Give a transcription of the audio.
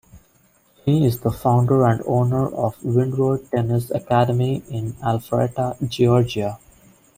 He is the founder and owner of Windward Tennis Academy in Alpharetta, Georgia.